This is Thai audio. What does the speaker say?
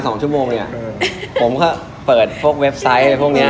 ตื่นเต้นมากตอนนี้หมกมุนกับการตั้งชื่อมาก